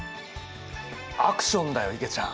アクションだよいげちゃん。